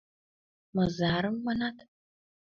— Мызарым, манат?